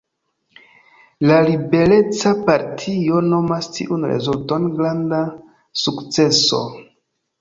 La Libereca Partio nomas tiun rezulton granda sukceso.